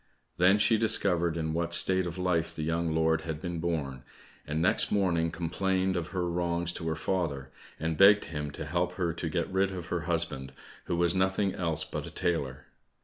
Then she discovered in what state of life the young lord had been born, and next morning complained of her wrongs to her father, and begged him to help her to get rid of her husband, who was nothing else but a tailor.